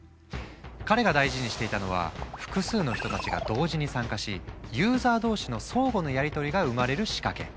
彼が大事にしていたのは複数の人たちが同時に参加しユーザー同士の相互のやりとりが生まれる仕掛け。